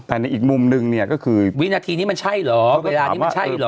แต่ในอีกมุมนึงเนี่ยก็คือวินาทีนี้มันใช่เหรอเวลานี้มันใช่เหรอ